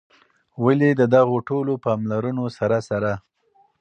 ولي د دغو ټولو پاملرونو سره سره